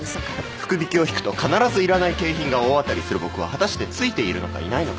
福引を引くと必ずいらない景品が大当たりする僕は果たしてついているのかいないのか。